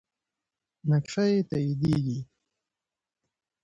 نقش یې تاییدیږي.